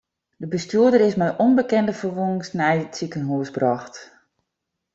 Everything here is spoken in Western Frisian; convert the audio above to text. De bestjoerder is mei ûnbekende ferwûnings nei it sikehús brocht.